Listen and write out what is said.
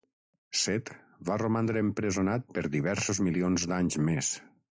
Set va romandre empresonat per diversos milions d'anys més.